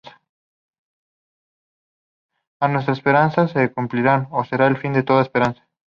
O nuestras esperanzas se cumplirán, o será el fin de toda esperanza.